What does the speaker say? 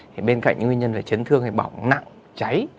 thì bên cạnh những nguyên nhân về trấn thương bỏng nặng cháy